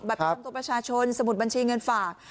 ประจำตัวประชาชนสมุดบัญชีเงินฝาก